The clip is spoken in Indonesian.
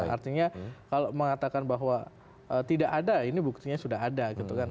artinya kalau mengatakan bahwa tidak ada ini buktinya sudah ada gitu kan